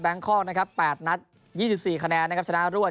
แบงค์คลอร์ก๘นัด๒๔คะแนนนะครับชนะรวด